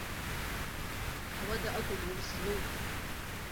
Ауада акәым аус злоу!